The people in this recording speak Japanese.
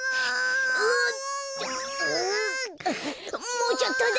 もうちょっとだ。